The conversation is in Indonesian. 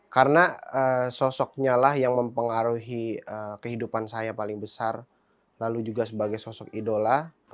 karena sosoknya lah yang mempengaruhi kehidupan saya paling besar lalu juga sebagai sosok idola